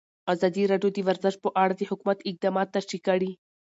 ازادي راډیو د ورزش په اړه د حکومت اقدامات تشریح کړي.